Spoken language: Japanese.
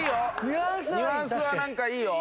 ニュアンスはなんかいいよ。